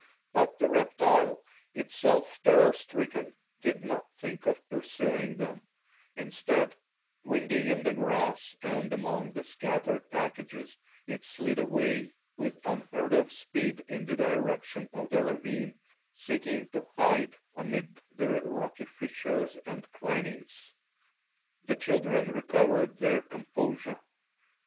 But the reptile, itself terror stricken, did not think of pursuing them; instead, winding in the grass and among the scattered packages, it slid away with unheard of speed in the direction of the ravine, seeking to hide amid the rocky fissures and crannies. The children recovered their composure.